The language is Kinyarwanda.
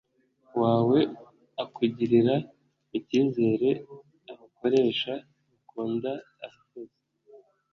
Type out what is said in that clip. Wawe akugirira ikizere abakoresha bakunda abakozi